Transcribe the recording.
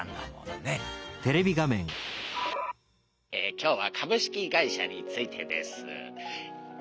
今日は株式会社についてです。